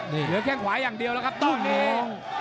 นี่เหลือแค่งขวาอย่างเดียวแล้วครับตอนนี้